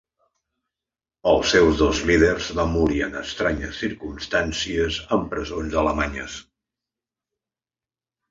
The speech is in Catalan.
Els seus dos líders van morir en estranyes circumstàncies en presons alemanyes.